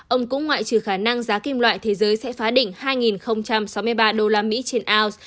ông cũng ngoại trừ khả năng giá kim loại thế giới sẽ phá đỉnh hai sáu mươi ba usd trên ounce